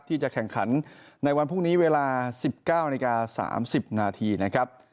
ที่จะแข่งขันในวันพรุ่งนี้เวลา๑๙นาฬิกา๓๐นาทีนะครับ